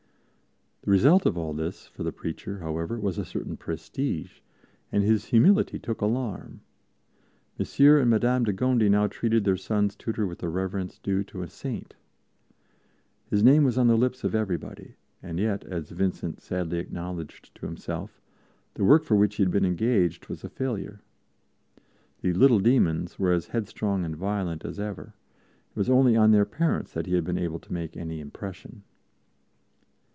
The result of all this for the preacher, however, was a certain prestige, and his humility took alarm. Monsieur and Madame de Gondi now treated their sons' tutor with the reverence due to a saint. His name was on the lips of everybody; and yet, as Vincent sadly acknowledged to himself, the work for which he had been engaged was a failure. The "little demons" were as headstrong and violent as ever; it was only on their parents that he had been able to make any impression.